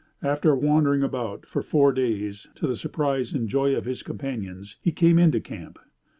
After wandering about for four days, to the surprise and joy of his companions, he came into camp.